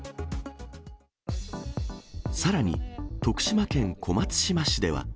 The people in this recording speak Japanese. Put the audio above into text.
さらに、徳島県小松島市では。